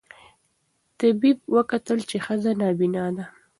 طبیب وکتل چي ښځه نابینا ده